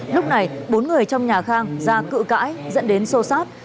lúc này bốn người trong nhà khang ra cự cãi dẫn đến sô sát